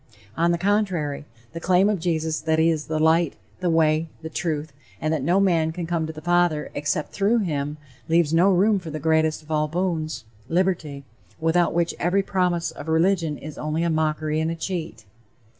On the contrary, the claim of Jesus that he is the light, the way, the truth, and that no man can come to the father except through him, leaves no room for the greatest of all boons liberty, without which every promise of religion is only a mockery and a cheat.